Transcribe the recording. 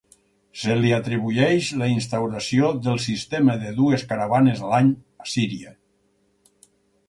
Se li atribueix la instauració del sistema de dues caravanes a l'any a Síria.